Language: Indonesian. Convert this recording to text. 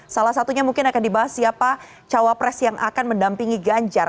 salah satunya mungkin akan dibahas siapa cawapres yang akan mendampingi ganjar